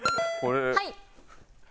はい。